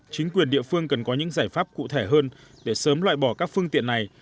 chính quyền địa phương cần có những giải pháp cụ thể hơn để sớm loại bỏ các phương tiện này